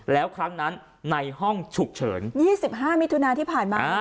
แล้วครั้งนั้นในห้องฉุกเฉิน๒๕มิถุนาที่ผ่านมา